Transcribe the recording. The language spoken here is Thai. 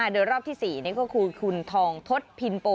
โดยรอบที่๔นี่ก็คือคุณทองทศพินโป